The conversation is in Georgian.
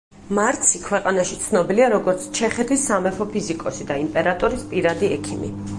მარცი ქვეყანაში ცნობილია როგორც „ჩეხეთის სამეფო ფიზიკოსი“ და იმპერატორის პირადი ექიმი.